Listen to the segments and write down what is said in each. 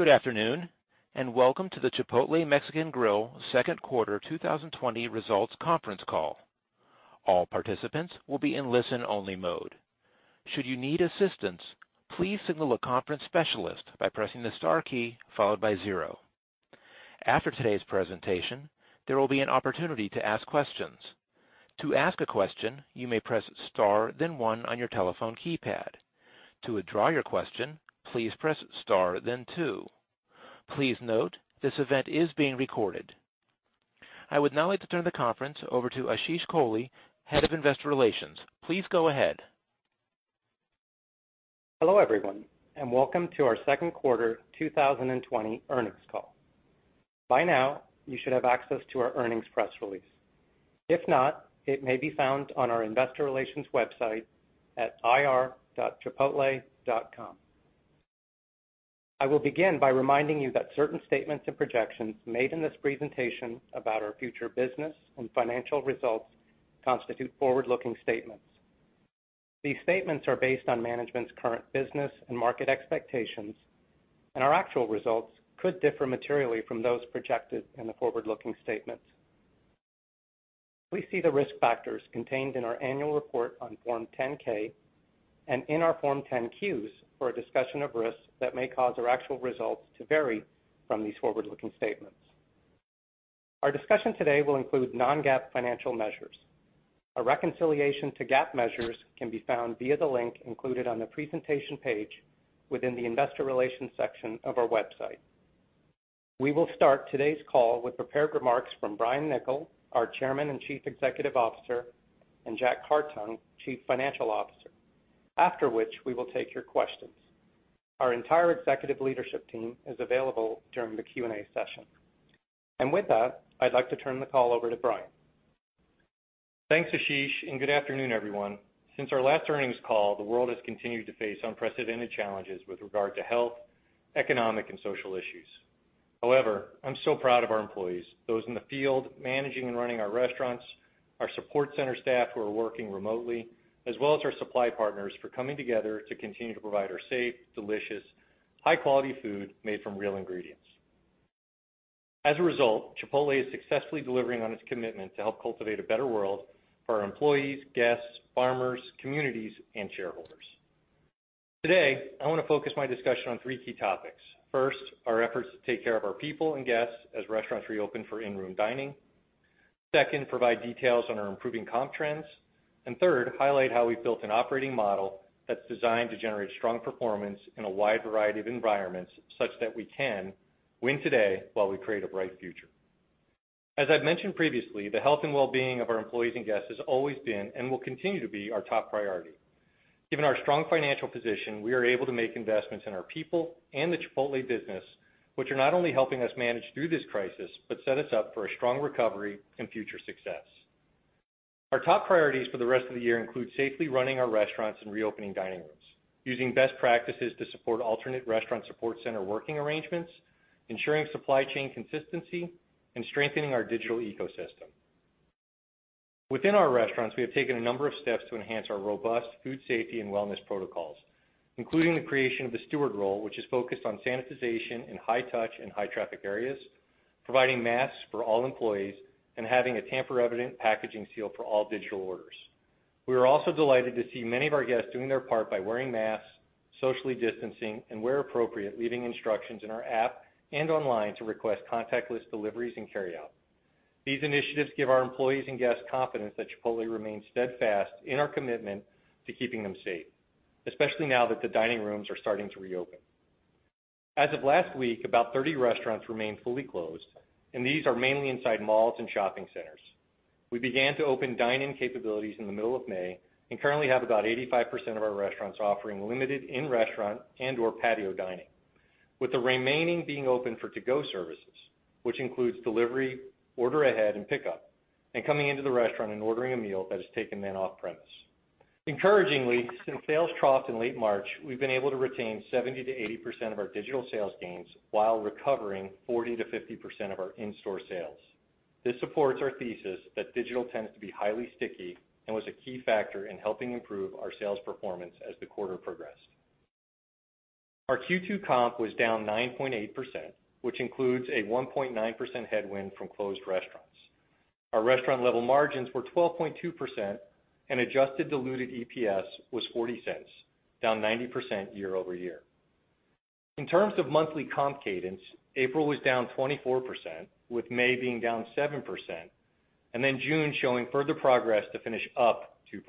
Good afternoon, and welcome to the Chipotle Mexican Grill second quarter 2020 results conference call. All participants will be in listen-only mode. Should you need assistance, please signal a conference specialist by pressing the star key followed by zero. After today's presentation, there will be an opportunity to ask questions. To ask a question, you may press star then one on your telephone keypad. To withdraw your question, please press star then two. Please note, this event is being recorded. I would now like to turn the conference over to Ashish Kohli, Head of Investor Relations. Please go ahead. Hello, everyone, and welcome to our second quarter 2020 earnings call. By now, you should have access to our earnings press release. If not, it may be found on our investor relations website at ir.chipotle.com. I will begin by reminding you that certain statements and projections made in this presentation about our future business and financial results constitute forward-looking statements. These statements are based on management's current business and market expectations, and our actual results could differ materially from those projected in the forward-looking statements. Please see the risk factors contained in our annual report on Form 10-K and in our Form 10-Qs for a discussion of risks that may cause our actual results to vary from these forward-looking statements. Our discussion today will include non-GAAP financial measures. A reconciliation to GAAP measures can be found via the link included on the presentation page within the investor relations section of our website. We will start today's call with prepared remarks from Brian Niccol, our chairman and chief executive officer, and Jack Hartung, chief financial officer, after which we will take your questions. Our entire executive leadership team is available during the Q&A session. With that, I'd like to turn the call over to Brian. Thanks, Ashish. Good afternoon, everyone. Since our last earnings call, the world has continued to face unprecedented challenges with regard to health, economic, and social issues. I'm so proud of our employees, those in the field managing and running our restaurants, our support center staff who are working remotely, as well as our supply partners, for coming together to continue to provide our safe, delicious, high-quality food made from real ingredients. Chipotle is successfully delivering on its commitment to help cultivate a better world for our employees, guests, farmers, communities, and shareholders. Today, I want to focus my discussion on three key topics. First, our efforts to take care of our people and guests as restaurants reopen for in-room dining. Second, provide details on our improving comp trends. Third, highlight how we've built an operating model that's designed to generate strong performance in a wide variety of environments, such that we can win today while we create a bright future. As I've mentioned previously, the health and well-being of our employees and guests has always been and will continue to be our top priority. Given our strong financial position, we are able to make investments in our people and the Chipotle business, which are not only helping us manage through this crisis, but set us up for a strong recovery and future success. Our top priorities for the rest of the year include safely running our restaurants and reopening dining rooms, using best practices to support alternate restaurant support center working arrangements, ensuring supply chain consistency, and strengthening our digital ecosystem. Within our restaurants, we have taken a number of steps to enhance our robust food safety and wellness protocols, including the creation of the steward role, which is focused on sanitization in high-touch and high-traffic areas, providing masks for all employees, and having a tamper-evident packaging seal for all digital orders. We are also delighted to see many of our guests doing their part by wearing masks, socially distancing, and, where appropriate, leaving instructions in our app and online to request contactless deliveries and carryout. These initiatives give our employees and guests confidence that Chipotle remains steadfast in our commitment to keeping them safe, especially now that the dining rooms are starting to reopen. As of last week, about 30 restaurants remain fully closed, and these are mainly inside malls and shopping centers. We began to open dine-in capabilities in the middle of May and currently have about 85% of our restaurants offering limited in-restaurant and/or patio dining, with the remaining being open for to-go services, which includes delivery, order ahead, and pickup, and coming into the restaurant and ordering a meal that is taken then off-premise. Encouragingly, since sales troughed in late March, we've been able to retain 70%-80% of our digital sales gains while recovering 40%-50% of our in-store sales. This supports our thesis that digital tends to be highly sticky and was a key factor in helping improve our sales performance as the quarter progressed. Our Q2 comp was down 9.8%, which includes a 1.9% headwind from closed restaurants. Our restaurant level margins were 12.2% and adjusted diluted EPS was $0.40, down 90% year-over-year. In terms of monthly comp cadence, April was down 24%, with May being down 7%, and then June showing further progress to finish up 2%.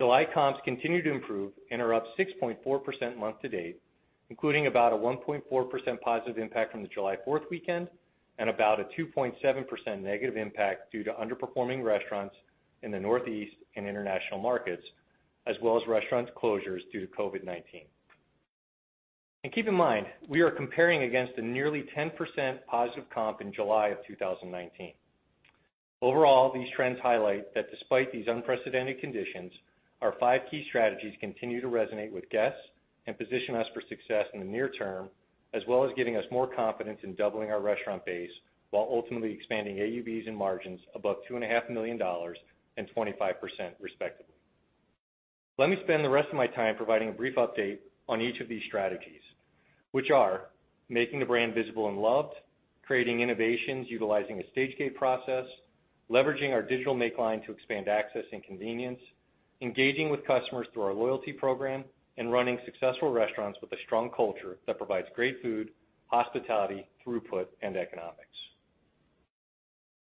July comps continue to improve and are up 6.4% month to date, including about a 1.4% positive impact from the July 4th weekend and about a 2.7% negative impact due to underperforming restaurants in the Northeast and international markets, as well as restaurant closures due to COVID-19. Keep in mind, we are comparing against a nearly 10% positive comp in July of 2019. Overall, these trends highlight that despite these unprecedented conditions, our five key strategies continue to resonate with guests and position us for success in the near term, as well as giving us more confidence in doubling our restaurant base while ultimately expanding AUVs and margins above $2.5 million and 25% respectively. Let me spend the rest of my time providing a brief update on each of these strategies, which are making the brand visible and loved, creating innovations utilizing a stage-gate process, leveraging our digital make line to expand access and convenience, engaging with customers through our loyalty program, and running successful restaurants with a strong culture that provides great food, hospitality, throughput, and economics.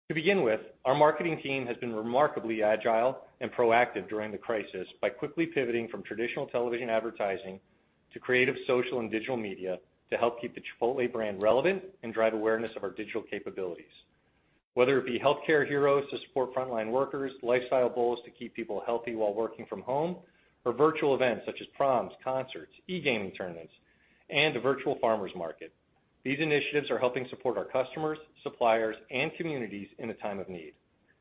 To begin with, our marketing team has been remarkably agile and proactive during the crisis by quickly pivoting from traditional television advertising to creative social and digital media to help keep the Chipotle brand relevant and drive awareness of our digital capabilities. Whether it be healthcare heroes to support frontline workers, Lifestyle Bowls to keep people healthy while working from home, or virtual events such as proms, concerts, e-gaming tournaments, and a virtual farmers market. These initiatives are helping support our customers, suppliers, and communities in a time of need.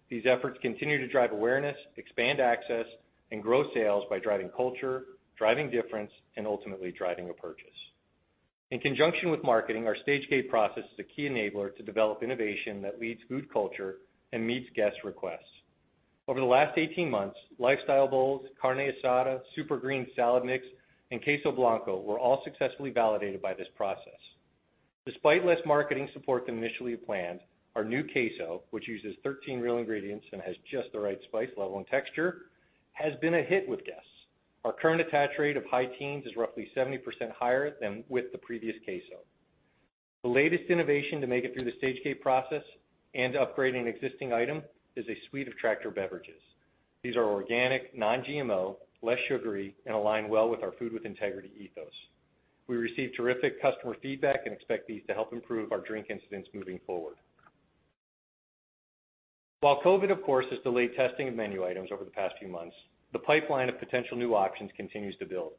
These efforts continue to drive awareness, expand access, and grow sales by driving culture, driving difference, and ultimately driving a purchase. In conjunction with marketing, our stage-gate process is a key enabler to develop innovation that leads food culture and meets guest requests. Over the last 18 months, Lifestyle Bowls, Carne Asada, Supergreens salad mix, and Queso Blanco were all successfully validated by this process. Despite less marketing support than initially planned, our new queso, which uses 13 real ingredients and has just the right spice level and texture, has been a hit with guests. Our current attach rate of high teens is roughly 70% higher than with the previous queso. The latest innovation to make it through the stage-gate process and upgrade an existing item is a suite of Tractor Beverages. These are organic, non-GMO, less sugary, and align well with our Food with Integrity ethos. We received terrific customer feedback and expect these to help improve our drink incidence moving forward. While COVID, of course, has delayed testing of menu items over the past few months, the pipeline of potential new options continues to build.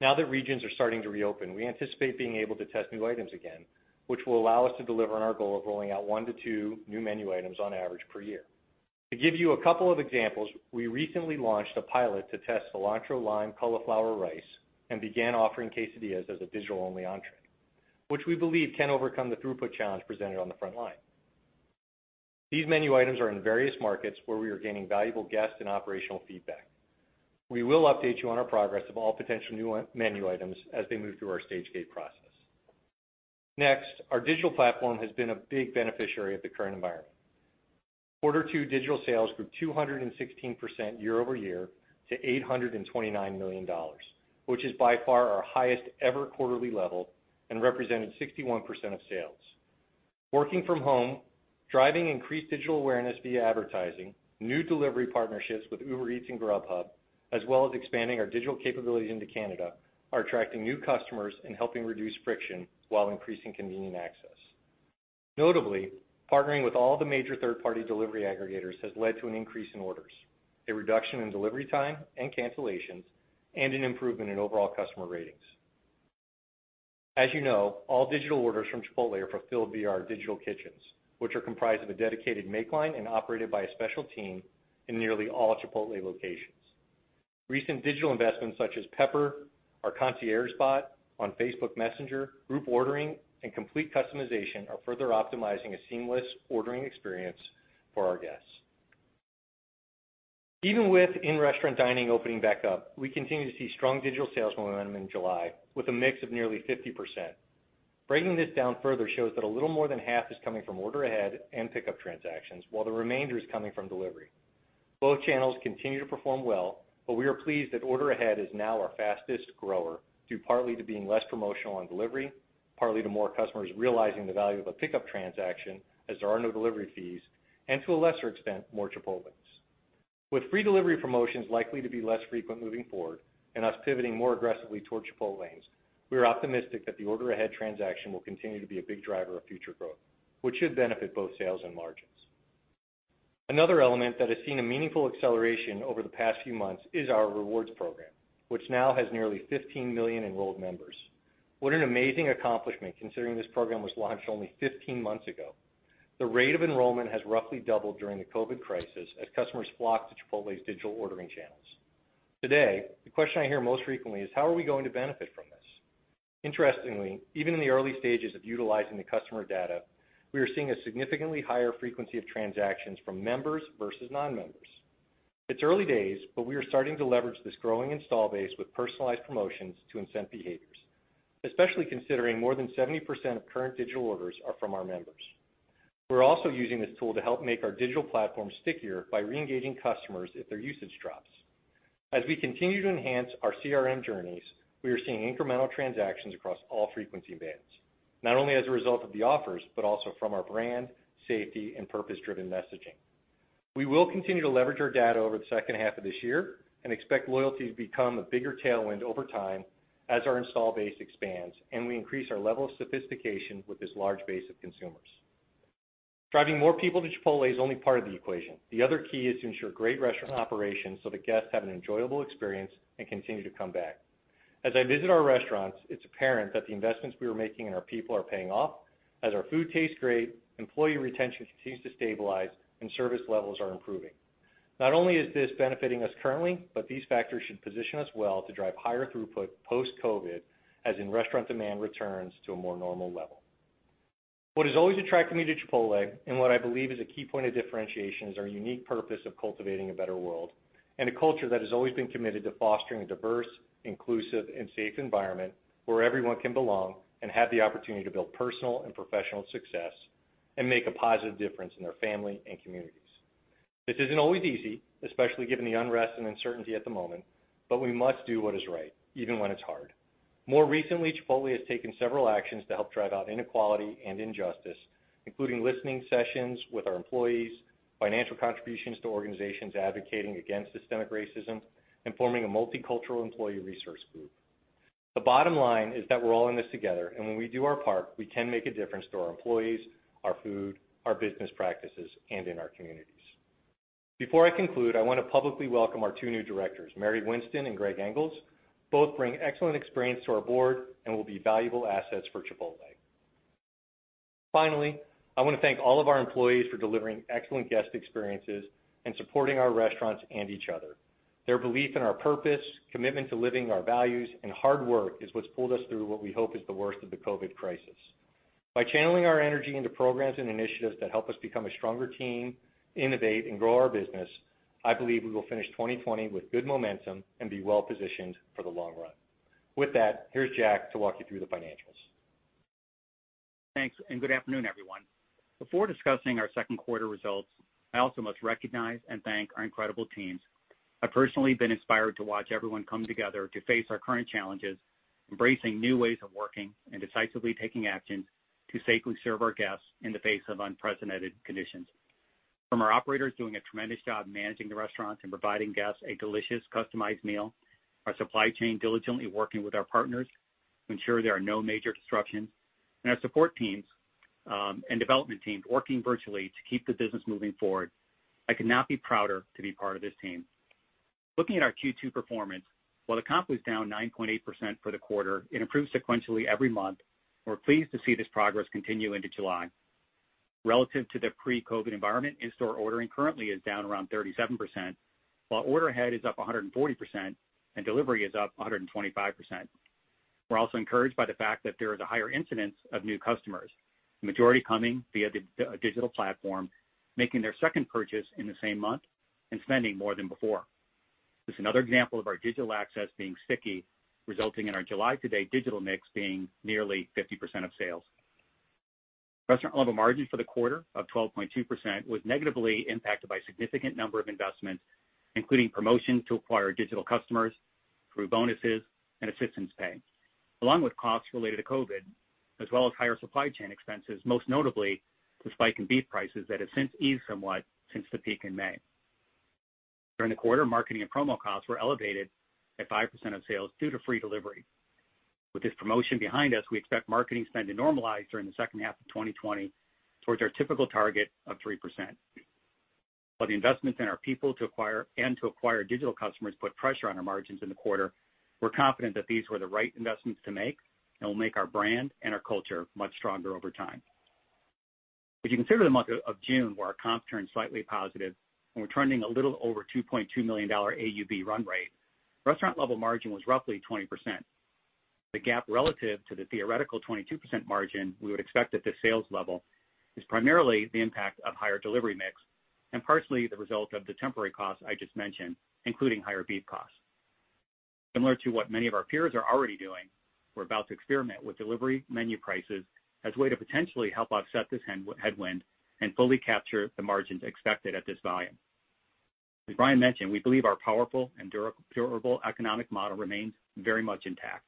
Now that regions are starting to reopen, we anticipate being able to test new items again, which will allow us to deliver on our goal of rolling out one to two new menu items on average per year. To give you a couple of examples, we recently launched a pilot to test Cilantro-Lime Cauliflower Rice and began offering Quesadillas as a digital-only entree, which we believe can overcome the throughput challenge presented on the front line. These menu items are in various markets where we are gaining valuable guest and operational feedback. We will update you on our progress of all potential new menu items as they move through our stage-gate process. Next, our digital platform has been a big beneficiary of the current environment. Q2 digital sales grew 216% year-over-year to $829 million, which is by far our highest ever quarterly level and represented 61% of sales. Working from home, driving increased digital awareness via advertising, new delivery partnerships with Uber Eats and Grubhub, as well as expanding our digital capabilities into Canada, are attracting new customers and helping reduce friction while increasing convenient access. Notably, partnering with all the major third-party delivery aggregators has led to an increase in orders, a reduction in delivery time and cancellations, and an improvement in overall customer ratings. As you know, all digital orders from Chipotle are fulfilled via our digital kitchens, which are comprised of a dedicated digital make line and operated by a special team in nearly all Chipotle locations. Recent digital investments such as Pepper, our concierge bot on Facebook Messenger, group ordering, and complete customization are further optimizing a seamless ordering experience for our guests. Even with in-restaurant dining opening back up, we continue to see strong digital sales momentum in July with a mix of nearly 50%. Breaking this down further shows that a little more than half is coming from order ahead and pickup transactions, while the remainder is coming from delivery. We are pleased that order ahead is now our fastest grower due partly to being less promotional on delivery, partly to more customers realizing the value of a pickup transaction as there are no delivery fees, and, to a lesser extent, more Chipotle. With free delivery promotions likely to be less frequent moving forward and us pivoting more aggressively towards Chipotlanes, we are optimistic that the order ahead transaction will continue to be a big driver of future growth, which should benefit both sales and margins. Another element that has seen a meaningful acceleration over the past few months is our rewards program, which now has nearly 15 million enrolled members. What an amazing accomplishment, considering this program was launched only 15 months ago. The rate of enrollment has roughly doubled during the COVID crisis as customers flock to Chipotle's digital ordering channels. Today, the question I hear most frequently is how are we going to benefit from this? Interestingly, even in the early stages of utilizing the customer data, we are seeing a significantly higher frequency of transactions from members versus non-members. It's early days, but we are starting to leverage this growing install base with personalized promotions to incent behaviors, especially considering more than 70% of current digital orders are from our members. We're also using this tool to help make our digital platform stickier by re-engaging customers if their usage drops. As we continue to enhance our CRM journeys, we are seeing incremental transactions across all frequency bands, not only as a result of the offers, but also from our brand, safety, and purpose-driven messaging. We will continue to leverage our data over the second half of this year and expect loyalty to become a bigger tailwind over time as our install base expands and we increase our level of sophistication with this large base of consumers. Driving more people to Chipotle is only part of the equation. The other key is to ensure great restaurant operations so that guests have an enjoyable experience and continue to come back. As I visit our restaurants, it's apparent that the investments we are making in our people are paying off as our food tastes great, employee retention continues to stabilize, and service levels are improving. Not only is this benefiting us currently, but these factors should position us well to drive higher throughput post-COVID, as in-restaurant demand returns to a more normal level. What has always attracted me to Chipotle, and what I believe is a key point of differentiation, is our unique purpose of cultivating a better world and a culture that has always been committed to fostering a diverse, inclusive, and safe environment where everyone can belong and have the opportunity to build personal and professional success and make a positive difference in their family and communities. This isn't always easy, especially given the unrest and uncertainty at the moment, but we must do what is right, even when it's hard. More recently, Chipotle has taken several actions to help drive out inequality and injustice, including listening sessions with our employees, financial contributions to organizations advocating against systemic racism, and forming a multicultural employee resource group. The bottom line is that we're all in this together, and when we do our part, we can make a difference to our employees, our food, our business practices, and in our communities. Before I conclude, I want to publicly welcome our two new directors, Mary Winston and Gregg Engles. Both bring excellent experience to our board and will be valuable assets for Chipotle. Finally, I want to thank all of our employees for delivering excellent guest experiences and supporting our restaurants and each other. Their belief in our purpose, commitment to living our values, and hard work is what's pulled us through what we hope is the worst of the COVID-19 crisis. By channeling our energy into programs and initiatives that help us become a stronger team, innovate, and grow our business, I believe we will finish 2020 with good momentum and be well-positioned for the long run. With that, here's Jack to walk you through the financials. Thanks, good afternoon, everyone. Before discussing our second quarter results, I also must recognize and thank our incredible teams. I've personally been inspired to watch everyone come together to face our current challenges, embracing new ways of working and decisively taking action to safely serve our guests in the face of unprecedented conditions. From our operators doing a tremendous job managing the restaurants and providing guests a delicious, customized meal, our supply chain diligently working with our partners to ensure there are no major disruptions, and our support teams, and development teams working virtually to keep the business moving forward, I could not be prouder to be part of this team. Looking at our Q2 performance, while the comp was down 9.8% for the quarter, it improved sequentially every month, we're pleased to see this progress continue into July. Relative to the pre-COVID-19 environment, in-store ordering currently is down around 37%, while order ahead is up 140% and delivery is up 125%. We're also encouraged by the fact that there is a higher incidence of new customers, the majority coming via the digital platform, making their second purchase in the same month and spending more than before. This is another example of our digital access being sticky, resulting in our July to date digital mix being nearly 50% of sales. Restaurant level margin for the quarter of 12.2% was negatively impacted by a significant number of investments, including promotions to acquire digital customers through bonuses and assistance pay, along with costs related to COVID-19, as well as higher supply chain expenses, most notably the spike in beef prices that has since eased somewhat since the peak in May. During the quarter, marketing and promo costs were elevated at 5% of sales due to free delivery. With this promotion behind us, we expect marketing spend to normalize during the second half of 2020 towards our typical target of 3%. While the investments in our people and to acquire digital customers put pressure on our margins in the quarter, we're confident that these were the right investments to make, and will make our brand and our culture much stronger over time. If you consider the month of June, where our comp turned slightly positive and we're trending a little over $2.2 million AUV run rate, restaurant level margin was roughly 20%. The gap relative to the theoretical 22% margin we would expect at this sales level is primarily the impact of higher delivery mix, and partially the result of the temporary costs I just mentioned, including higher beef costs. Similar to what many of our peers are already doing, we're about to experiment with delivery menu prices as a way to potentially help offset this headwind and fully capture the margins expected at this volume. As Brian mentioned, we believe our powerful and durable economic model remains very much intact.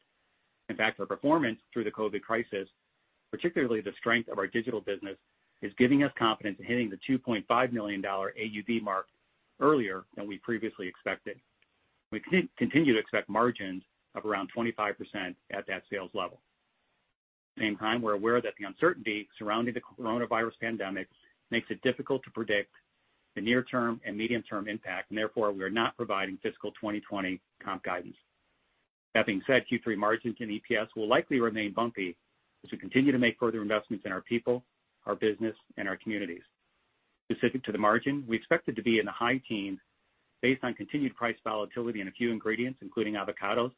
In fact, our performance through the COVID-19 crisis, particularly the strength of our digital business, is giving us confidence in hitting the $2.5 million AUV mark earlier than we previously expected. We continue to expect margins of around 25% at that sales level. At the same time, we're aware that the uncertainty surrounding the coronavirus pandemic makes it difficult to predict the near term and medium term impact, therefore, we are not providing fiscal 2020 comp guidance. That being said, Q3 margins and EPS will likely remain bumpy as we continue to make further investments in our people, our business, and our communities. Specific to the margin, we expect it to be in the high teens based on continued price volatility in a few ingredients, including avocados,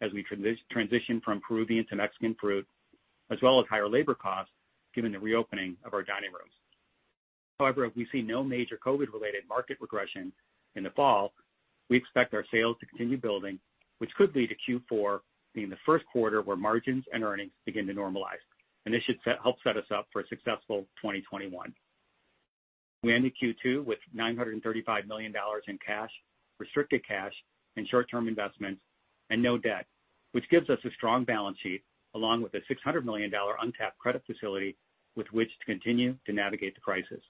as we transition from Peruvian to Mexican fruit, as well as higher labor costs given the reopening of our dining rooms. However, if we see no major COVID-related market regression in the fall, we expect our sales to continue building, which could lead to Q4 being the first quarter where margins and earnings begin to normalize, and this should help set us up for a successful 2021. We ended Q2 with $935 million in cash, restricted cash, and short-term investments, and no debt, which gives us a strong balance sheet, along with a $600 million untapped credit facility with which to continue to navigate the crisis.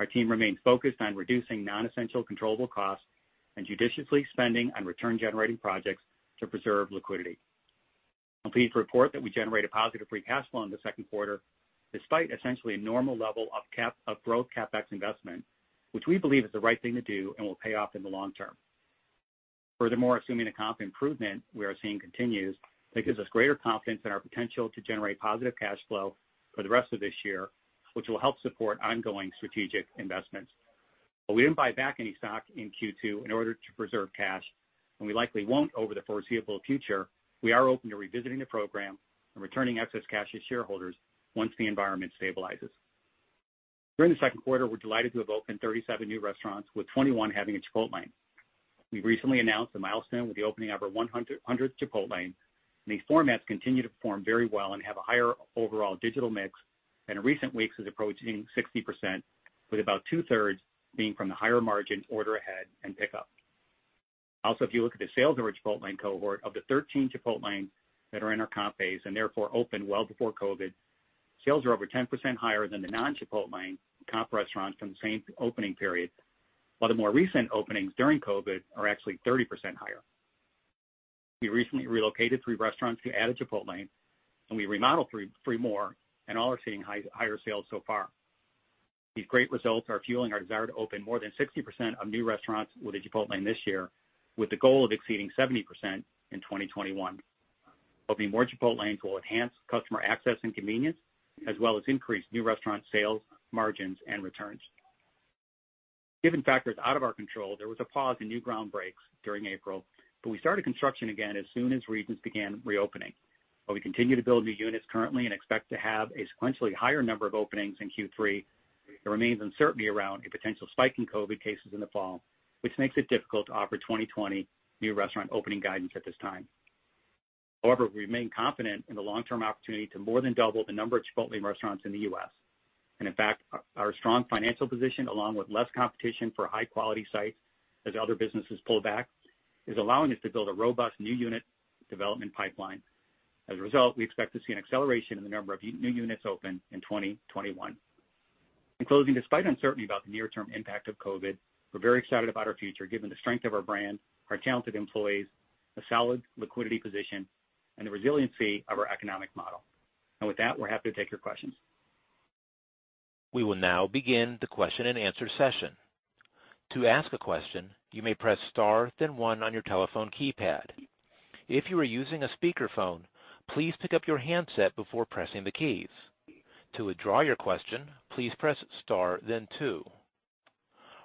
Our team remains focused on reducing non-essential controllable costs and judiciously spending on return-generating projects to preserve liquidity. I'm pleased to report that we generated positive free cash flow in the second quarter, despite essentially a normal level of growth CapEx investment, which we believe is the right thing to do and will pay off in the long term. Furthermore, assuming the comp improvement we are seeing continues, that gives us greater confidence in our potential to generate positive cash flow for the rest of this year, which will help support ongoing strategic investments. We didn't buy back any stock in Q2 in order to preserve cash, and we likely won't over the foreseeable future. We are open to revisiting the program and returning excess cash to shareholders once the environment stabilizes. During the second quarter, we're delighted to have opened 37 new restaurants, with 21 having a Chipotlane. We recently announced a milestone with the opening of our 100th Chipotlane, and these formats continue to perform very well and have a higher overall digital mix, and in recent weeks is approaching 60%, with about two-thirds being from the higher margin order ahead and pick up. Also, if you look at the sales of our Chipotlane cohort, of the 13 Chipotlanes that are in our comp base, and therefore opened well before COVID-19, sales are over 10% higher than the non-Chipotlane comp restaurants from the same opening period. The more recent openings during COVID-19 are actually 30% higher. We recently relocated 3 restaurants to add a Chipotlane, and we remodeled 3 more, and all are seeing higher sales so far. These great results are fueling our desire to open more than 60% of new restaurants with a Chipotlane this year, with the goal of exceeding 70% in 2021. Opening more Chipotlanes will enhance customer access and convenience, as well as increase new restaurant sales, margins, and returns. Given factors out of our control, there was a pause in new ground breaks during April, but we started construction again as soon as regions began reopening. While we continue to build new units currently and expect to have a sequentially higher number of openings in Q3, there remains uncertainty around a potential spike in COVID cases in the fall, which makes it difficult to offer 2020 new restaurant opening guidance at this time. However, we remain confident in the long-term opportunity to more than double the number of Chipotlane restaurants in the U.S. In fact, our strong financial position, along with less competition for high-quality sites as other businesses pull back, is allowing us to build a robust new unit development pipeline. As a result, we expect to see an acceleration in the number of new units open in 2021. In closing, despite uncertainty about the near-term impact of COVID-19, we're very excited about our future given the strength of our brand, our talented employees, the solid liquidity position, and the resiliency of our economic model. With that, we're happy to take your questions. We will now begin the question and answer session. To ask a question, you may press star, then one on your telephone keypad. If you are using a speakerphone, please pick up your handset before pressing the keys. To withdraw your question, please press star, then two.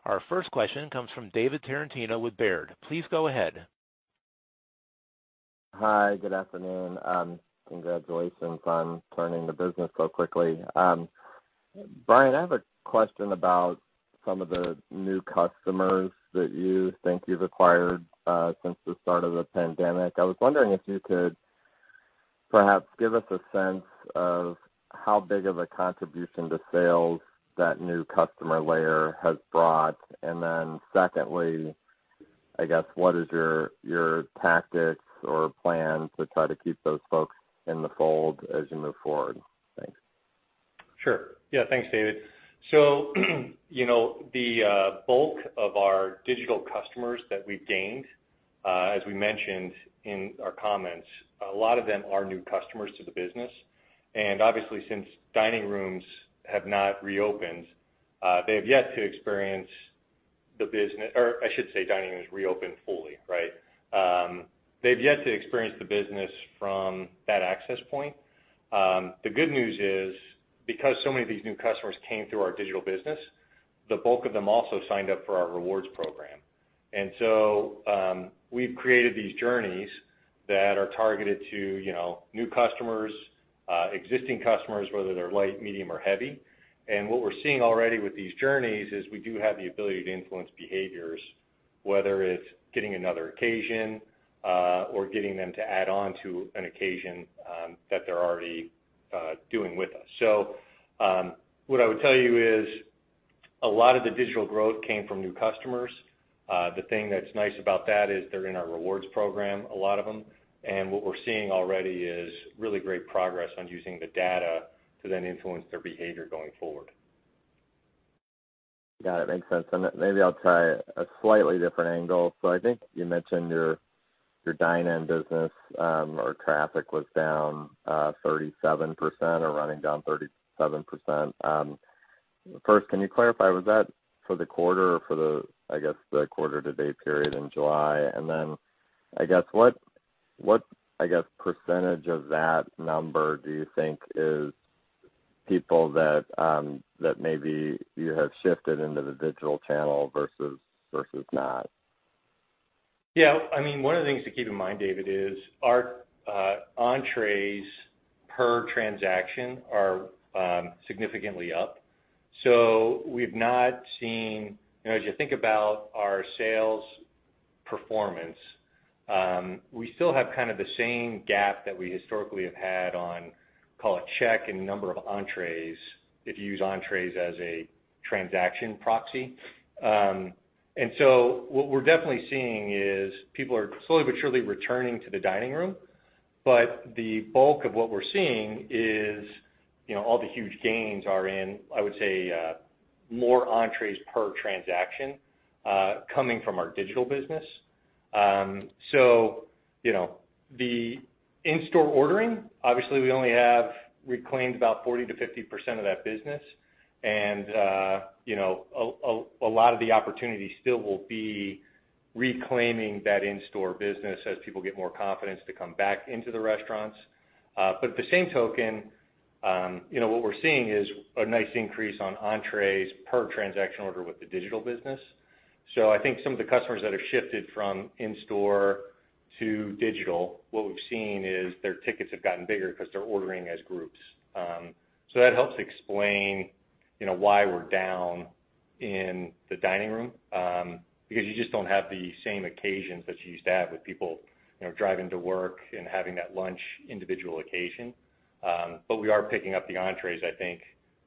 Our first question comes from David Tarantino with Baird. Please go ahead. Hi, good afternoon. Congratulations on turning the business so quickly. Brian, I have a question about some of the new customers that you think you've acquired since the start of the pandemic. I was wondering if you could perhaps give us a sense of how big of a contribution to sales that new customer layer has brought. Secondly, I guess, what is your tactics or plan to try to keep those folks in the fold as you move forward? Thanks. Sure. Yeah. Thanks, David. The bulk of our digital customers that we've gained, as we mentioned in our comments, a lot of them are new customers to the business. Obviously, since dining rooms have not reopened, or I should say, dining rooms reopened fully, right? They've yet to experience the business from that access point. The good news is, because so many of these new customers came through our digital business, the bulk of them also signed up for our rewards program. We've created these journeys that are targeted to new customers, existing customers, whether they're light, medium, or heavy. What we're seeing already with these journeys is we do have the ability to influence behaviors, whether it's getting another occasion, or getting them to add on to an occasion that they're already doing with us. What I would tell you is a lot of the digital growth came from new customers. The thing that's nice about that is they're in our rewards program, a lot of them. What we're seeing already is really great progress on using the data to then influence their behavior going forward. Got it. Makes sense. Maybe I'll try a slightly different angle. I think you mentioned your dine-in business or traffic was down 37% or running down 37%. First, can you clarify, was that for the quarter or for the, I guess, the quarter to date period in July? Then, I guess, what percentage of that number do you think is people that maybe you have shifted into the digital channel versus not? One of the things to keep in mind, David, is our entrees per transaction are significantly up. As you think about our sales performance, we still have kind of the same gap that we historically have had on, call it check and number of entrees, if you use entrees as a transaction proxy. What we're definitely seeing is people are slowly but surely returning to the dining room. The bulk of what we're seeing is all the huge gains are in, I would say, more entrees per transaction coming from our digital business. The in-store ordering, obviously we only have reclaimed about 40%-50% of that business. A lot of the opportunity still will be reclaiming that in-store business as people get more confidence to come back into the restaurants. What we're seeing is a nice increase on entrees per transaction order with the digital business. I think some of the customers that have shifted from in-store to digital, what we've seen is their tickets have gotten bigger because they're ordering as groups. That helps explain why we're down in the dining room, because you just don't have the same occasions that you used to have with people driving to work and having that lunch individual occasion. We are picking up the entrees, I think,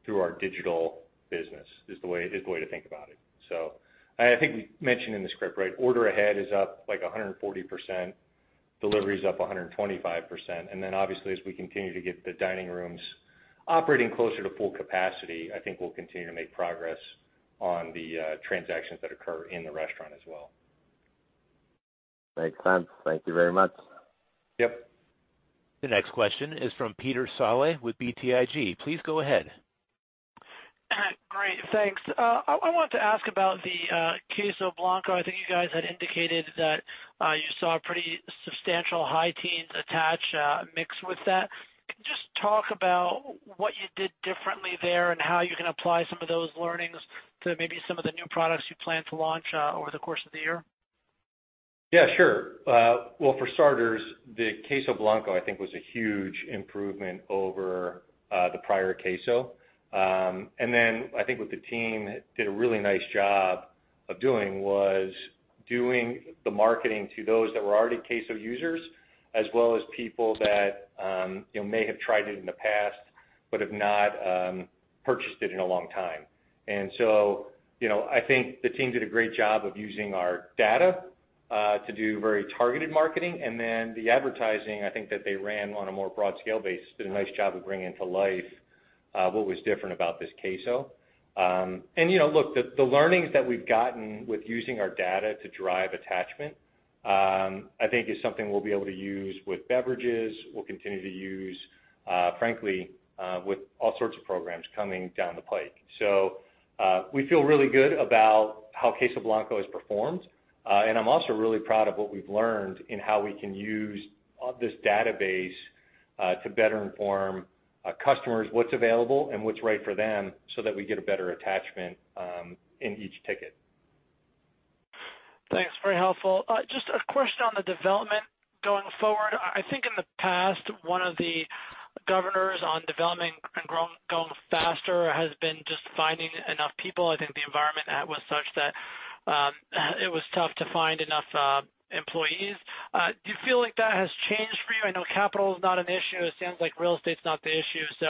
through our digital business is the way to think about it. I think we mentioned in the script, right, order ahead is up, like, 140%, delivery is up 125%. Obviously, as we continue to get the dining rooms operating closer to full capacity, I think we'll continue to make progress on the transactions that occur in the restaurant as well. Makes sense. Thank you very much. Yep. The next question is from Peter Saleh with BTIG. Please go ahead. Great, thanks. I want to ask about the Queso Blanco. I think you guys had indicated that you saw a pretty substantial high teens attach mix with that. Can you just talk about what you did differently there and how you can apply some of those learnings to maybe some of the new products you plan to launch over the course of the year? Yeah, sure. Well, for starters, the Queso Blanco, I think, was a huge improvement over the prior queso. I think what the team did a really nice job of doing was doing the marketing to those that were already queso users, as well as people that may have tried it in the past, but have not purchased it in a long time. I think the team did a great job of using our data, to do very targeted marketing. The advertising, I think, that they ran on a more broad scale basis, did a nice job of bringing to life what was different about this queso. Look, the learnings that we've gotten with using our data to drive attachment, I think is something we'll be able to use with beverages, we'll continue to use, frankly, with all sorts of programs coming down the pipe. We feel really good about how Queso Blanco has performed. I'm also really proud of what we've learned in how we can use this database to better inform our customers what's available and what's right for them, so that we get a better attachment in each ticket. Thanks. Very helpful. Just a question on the development going forward. I think in the past, one of the governors on developing and growing faster has been just finding enough people. I think the environment was such that it was tough to find enough employees. Do you feel like that has changed for you? I know capital is not an issue. It sounds like real estate's not the issue. Do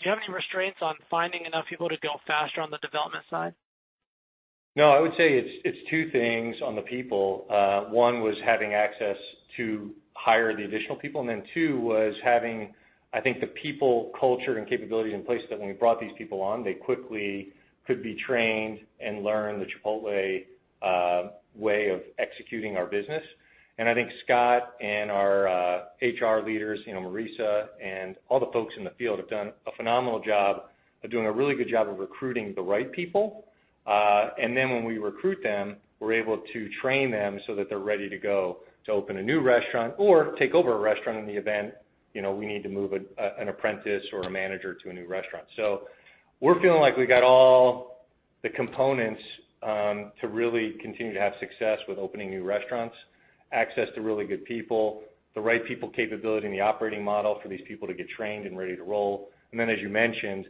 you have any restraints on finding enough people to go faster on the development side? I would say it's two things on the people. One was having access to hire the additional people, and then two was having, I think, the people culture and capabilities in place that when we brought these people on, they quickly could be trained and learn the Chipotle way of executing our business. I think Scott and our HR leaders, Marissa and all the folks in the field have done a phenomenal job of doing a really good job of recruiting the right people. Then when we recruit them, we're able to train them so that they're ready to go to open a new restaurant or take over a restaurant in the event we need to move an apprentice or a manager to a new restaurant. We're feeling like we got all the components to really continue to have success with opening new restaurants, access to really good people, the right people capability in the operating model for these people to get trained and ready to roll. As you mentioned,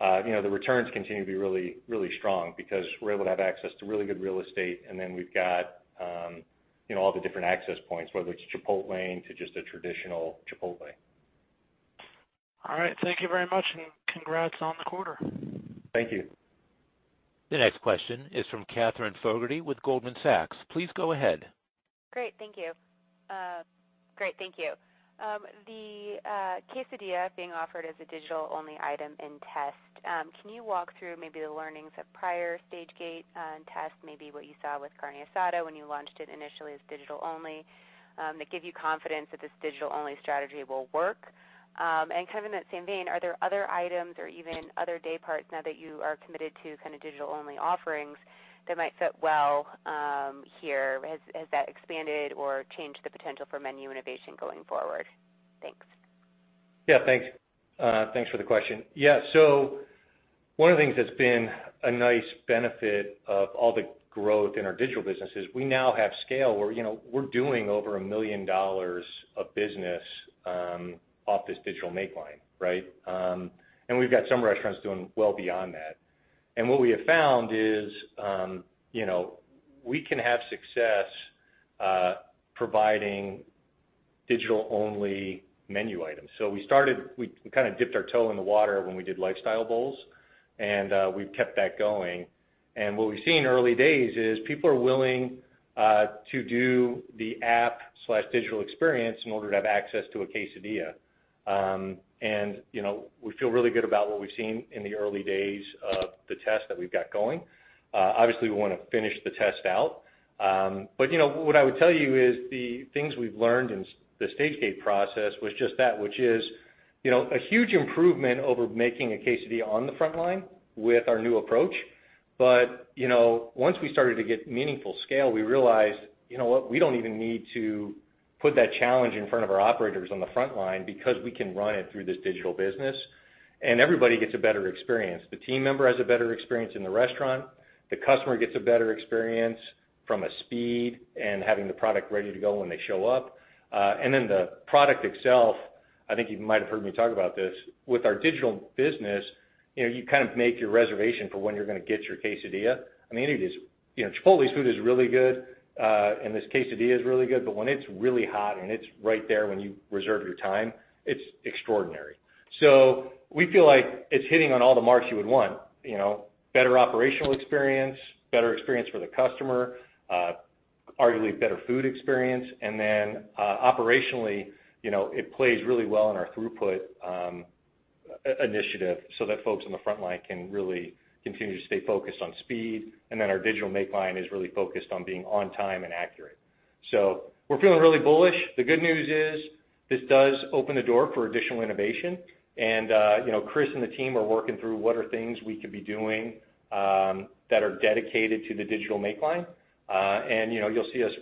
the returns continue to be really strong because we're able to have access to really good real estate, and then we've got all the different access points, whether it's Chipotlane to just a traditional Chipotle. All right. Thank you very much, and congrats on the quarter. Thank you. The next question is from Katherine Fogertey with Goldman Sachs. Please go ahead. Great. Thank you. The Quesadilla being offered as a digital-only item in test. Can you walk through maybe the learnings of prior stage-gate tests, maybe what you saw with Carne Asada when you launched it initially as digital only, that give you confidence that this digital-only strategy will work? Kind of in that same vein, are there other items or even other day parts now that you are committed to kind of digital-only offerings that might fit well here? Has that expanded or changed the potential for menu innovation going forward? Thanks. Thanks for the question. One of the things that's been a nice benefit of all the growth in our digital business is we now have scale where we're doing over $1 million of business off this digital make line. We've got some restaurants doing well beyond that. What we have found is we can have success providing digital-only menu items. We kind of dipped our toe in the water when we did Lifestyle Bowls, and we've kept that going. What we've seen early days is people are willing to do the app/digital experience in order to have access to a Quesadilla. We feel really good about what we've seen in the early days of the test that we've got going. Obviously, we want to finish the test out. What I would tell you is the things we've learned in the stage-gate process was just that, which is a huge improvement over making a Quesadilla on the front line with our new approach. Once we started to get meaningful scale, we realized, you know what? We don't even need to put that challenge in front of our operators on the front line because we can run it through this digital business and everybody gets a better experience. The team member has a better experience in the restaurant. The customer gets a better experience from a speed and having the product ready to go when they show up. The product itself, I think you might have heard me talk about this, with our digital business, you kind of make your reservation for when you're going to get your Quesadilla. I mean, Chipotle's food is really good, and this Quesadilla is really good, but when it's really hot and it's right there when you reserve your time, it's extraordinary. We feel like it's hitting on all the marks you would want. Better operational experience, better experience for the customer, arguably better food experience. Operationally, it plays really well in our throughput initiative, so that folks on the frontline can really continue to stay focused on speed, and then our digital make line is really focused on being on time and accurate. We're feeling really bullish. The good news is this does open the door for additional innovation and Chris and the team are working through what are things we could be doing that are dedicated to the digital make line. You'll see us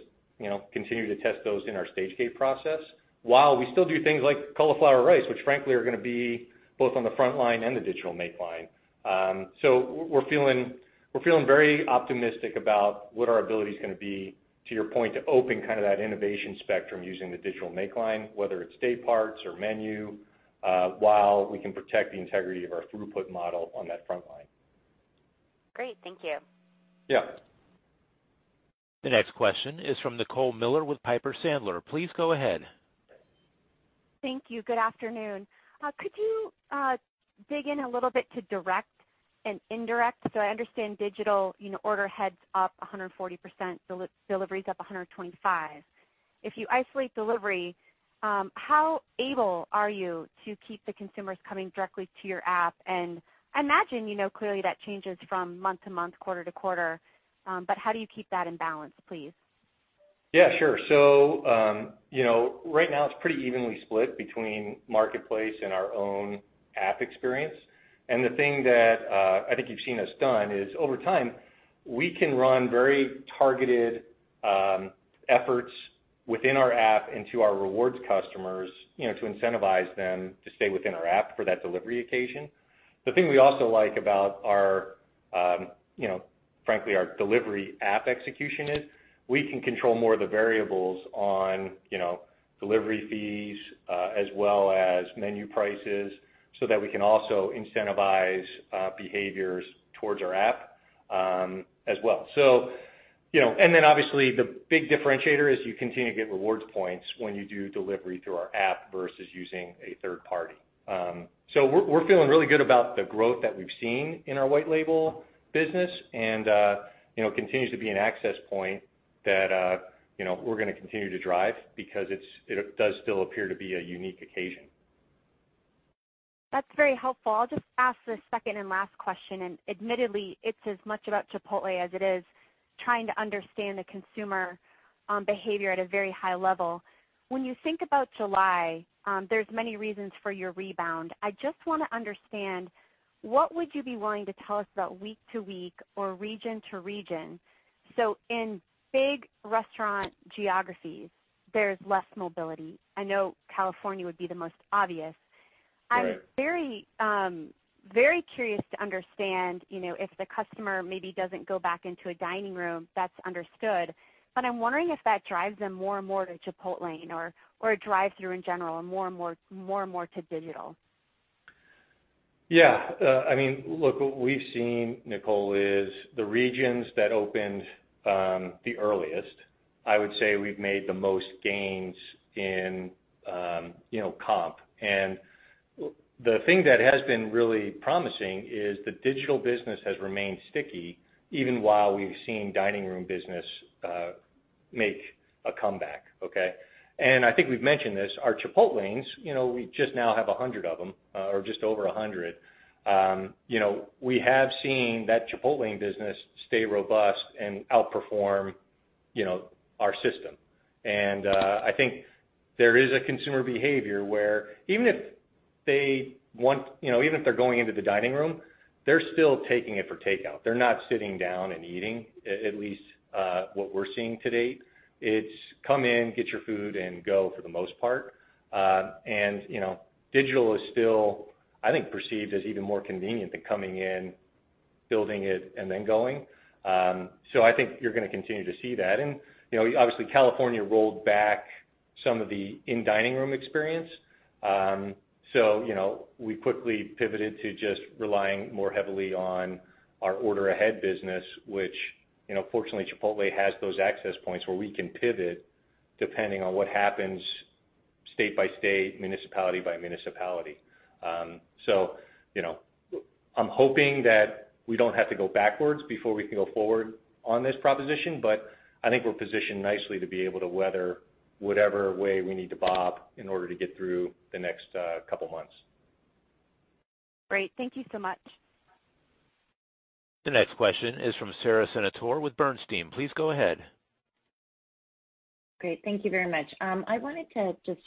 continue to test those in our stage-gate process while we still do things like Cauliflower Rice, which frankly, are going to be both on the frontline and the digital make line. We're feeling very optimistic about what our ability's going to be, to your point, to open kind of that innovation spectrum using the digital make line, whether it's day parts or menu, while we can protect the integrity of our throughput model on that frontline. Great. Thank you. Yeah. The next question is from Nicole Miller with Piper Sandler. Please go ahead. Thank you. Good afternoon. Could you dig in a little bit to direct and indirect? I understand digital, order ahead's up 140%, delivery's up 125%. If you isolate delivery, how able are you to keep the consumers coming directly to your app? I imagine you know clearly that changes from month-to-month, quarter-to-quarter. How do you keep that in balance, please? Yeah, sure. Right now it's pretty evenly split between marketplace and our own app experience. The thing that I think you've seen us done is, over time, we can run very targeted efforts within our app and to our rewards customers, to incentivize them to stay within our app for that delivery occasion. The thing we also like about, frankly, our delivery app execution is, we can control more of the variables on delivery fees, as well as menu prices so that we can also incentivize behaviors towards our app as well. Obviously, the big differentiator is you continue to get rewards points when you do delivery through our app versus using a third party. We're feeling really good about the growth that we've seen in our white label business, and continues to be an access point that we're going to continue to drive because it does still appear to be a unique occasion. That's very helpful. I'll just ask this second and last question, and admittedly, it's as much about Chipotle as it is trying to understand the consumer behavior at a very high level. When you think about July, there's many reasons for your rebound. I just want to understand, what would you be willing to tell us about week to week or region to region? In big restaurant geographies, there's less mobility. I know California would be the most obvious. Right. I'm very curious to understand, if the customer maybe doesn't go back into a dining room, that's understood. I'm wondering if that drives them more and more to Chipotlane or a drive-through in general, and more and more to digital. Yeah. Look, what we've seen, Nicole, is the regions that opened the earliest, I would say we've made the most gains in comp. The thing that has been really promising is the digital business has remained sticky even while we've seen dining room business make a comeback. Okay? I think we've mentioned this, our Chipotlanes, we just now have 100 of them, or just over 100. We have seen that Chipotlane business stay robust and outperform our system. I think there is a consumer behavior where even if they're going into the dining room, they're still taking it for takeout. They're not sitting down and eating, at least, what we're seeing to date. It's come in, get your food, and go for the most part. Digital is still, I think, perceived as even more convenient than coming in, building it, and then going. I think you're going to continue to see that. Obviously, California rolled back some of the in-dining room experience. We quickly pivoted to just relying more heavily on our order ahead business, which fortunately, Chipotle has those access points where we can pivot depending on what happens state by state, municipality by municipality. I'm hoping that we don't have to go backwards before we can go forward on this proposition, but I think we're positioned nicely to be able to weather whatever way we need to bob in order to get through the next couple of months. Great. Thank you so much. The next question is from Sara Senatore with Bernstein. Please go ahead. Great. Thank you very much. I wanted to just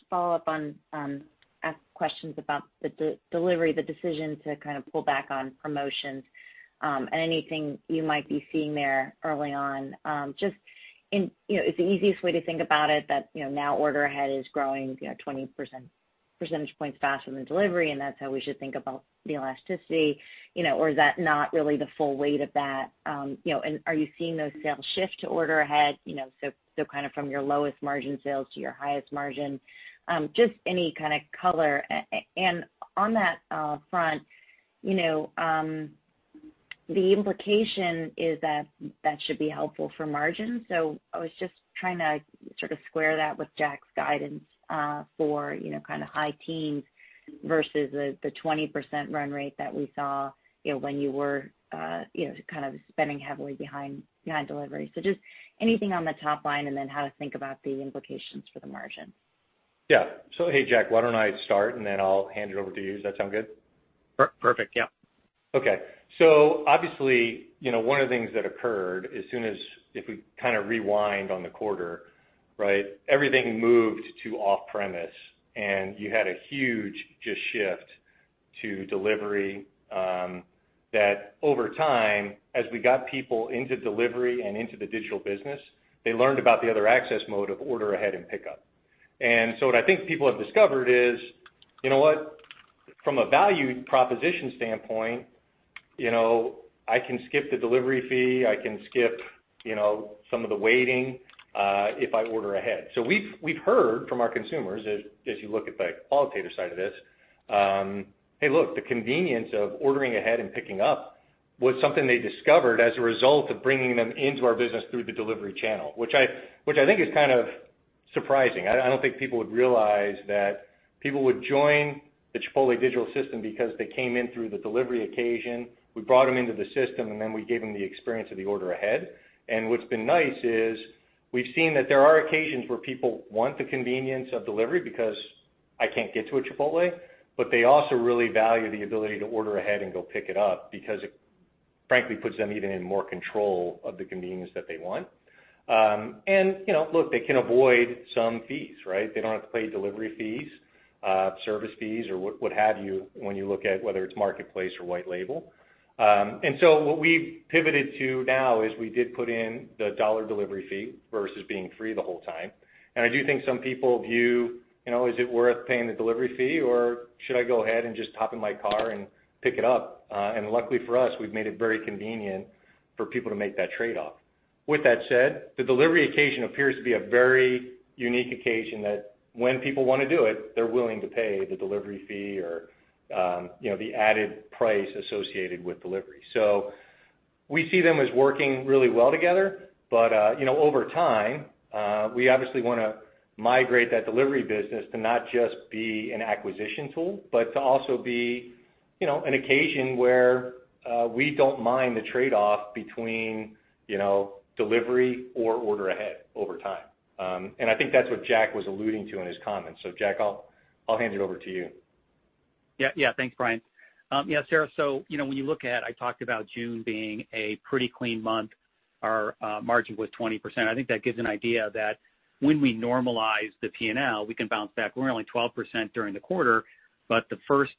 ask questions about the delivery, the decision to kind of pull back on promotions, and anything you might be seeing there early on. Is the easiest way to think about it that now order ahead is growing 20 percentage points faster than delivery, and that's how we should think about the elasticity? Is that not really the full weight of that? Are you seeing those sales shift to order ahead, so kind of from your lowest margin sales to your highest margin? Just any kind of color. On that front, the implication is that should be helpful for margin. I was just trying to sort of square that with Jack's guidance, for kind of high teens versus the 20% run rate that we saw, when you were kind of spending heavily behind delivery. Just anything on the top line, and then how to think about the implications for the margin. Yeah. Hey, Jack, why don't I start, and then I'll hand it over to you. Does that sound good? Perfect. Yeah. Okay. Obviously, one of the things that occurred as soon as if we kind of rewind on the quarter, right? Everything moved to off-premise, and you had a huge just shift to delivery, that over time, as we got people into delivery and into the digital business, they learned about the other access mode of order ahead and pickup. What I think people have discovered is, you know what, from a value proposition standpoint, I can skip the delivery fee, I can skip some of the waiting, if I order ahead. We've heard from our consumers as you look at the qualitative side of this, hey, look, the convenience of ordering ahead and picking up was something they discovered as a result of bringing them into our business through the delivery channel, which I think is kind of surprising. I don't think people would realize that people would join the Chipotle digital system because they came in through the delivery occasion. We brought them into the system, we gave them the experience of the order ahead. What's been nice is we've seen that there are occasions where people want the convenience of delivery because I can't get to a Chipotle, but they also really value the ability to order ahead and go pick it up because it frankly puts them even in more control of the convenience that they want. Look, they can avoid some fees, right? They don't have to pay delivery fees, service fees or what have you when you look at whether it's marketplace or white label. What we've pivoted to now is we did put in the $1 delivery fee versus being free the whole time. I do think some people view, is it worth paying the delivery fee or should I go ahead and just hop in my car and pick it up? Luckily for us, we've made it very convenient for people to make that trade-off. With that said, the delivery occasion appears to be a very unique occasion that when people want to do it, they're willing to pay the delivery fee or the added price associated with delivery. We see them as working really well together. Over time, we obviously want to migrate that delivery business to not just be an acquisition tool, but to also be an occasion where we don't mind the trade-off between delivery or order ahead over time. I think that's what Jack was alluding to in his comments. Jack, I'll hand it over to you. Thanks, Brian. Sara, I talked about June being a pretty clean month. Our margin was 20%. I think that gives an idea that when we normalize the P&L, we can bounce back. We're only 12% during the quarter, but the first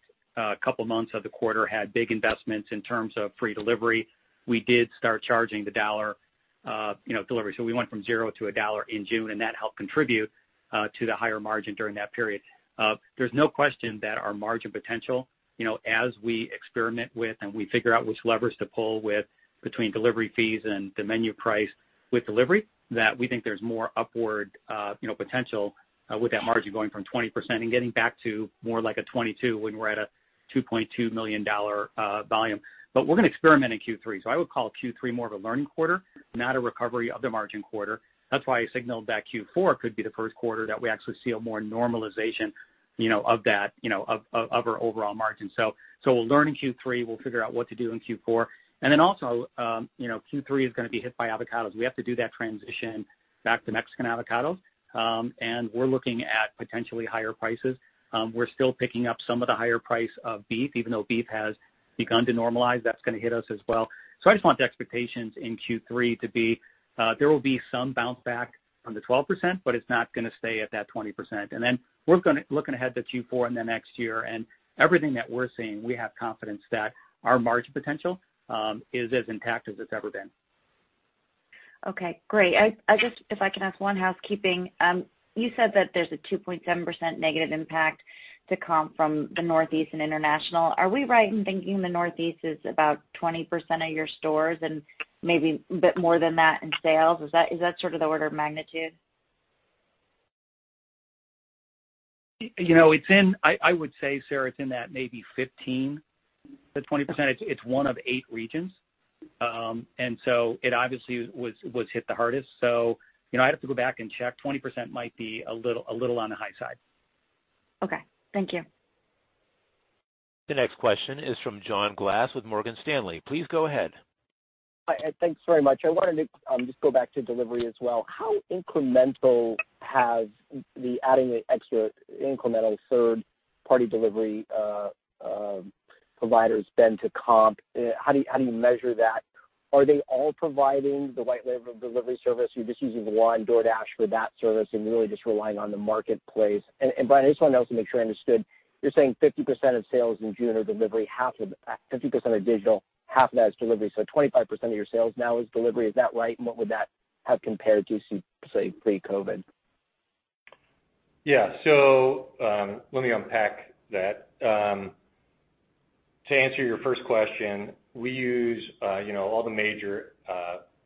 couple of months of the quarter had big investments in terms of free delivery. We did start charging the $1 delivery. We went from zero to $1 in June, and that helped contribute to the higher margin during that period. There's no question that our margin potential, as we experiment with and we figure out which levers to pull between delivery fees and the menu price with delivery, that we think there's more upward potential with that margin going from 20% and getting back to more like a 22% when we're at a $2.2 million volume. We're going to experiment in Q3. I would call Q3 more of a learning quarter, not a recovery of the margin quarter. That's why I signaled that Q4 could be the first quarter that we actually see a more normalization of our overall margin. We'll learn in Q3, we'll figure out what to do in Q4. Q3 is going to be hit by avocados. We have to do that transition back to Mexican avocados. We're looking at potentially higher prices. We're still picking up some of the higher price of beef, even though beef has begun to normalize. That's going to hit us as well. I just want the expectations in Q3 to be, there will be some bounce back from the 12%, but it's not going to stay at that 20%. We're looking ahead to Q4 and then next year, and everything that we're seeing, we have confidence that our margin potential is as intact as it's ever been. Okay, great. If I can ask one housekeeping. You said that there's a 2.7% negative impact to comp from the Northeast and International. Are we right in thinking the Northeast is about 20% of your stores and maybe a bit more than that in sales? Is that sort of the order of magnitude? I would say, Sara, it's in that maybe 15%-20%. It's one of eight regions. It obviously was hit the hardest. I'd have to go back and check. 20% might be a little on the high side. Okay. Thank you. The next question is from John Glass with Morgan Stanley. Please go ahead. Thanks very much. I wanted to just go back to delivery as well. How incremental has the adding the extra incremental third-party delivery providers been to comp? How do you measure that? Are they all providing the white label delivery service? Are you just using one DoorDash for that service and really just relying on the marketplace? Brian, I just want to also make sure I understood, you're saying 50% of sales in June are delivery, 50% are digital, half of that is delivery, so 25% of your sales now is delivery. Is that right? What would that have compared to, say, pre-COVID? Yeah. Let me unpack that. To answer your first question, we use all the major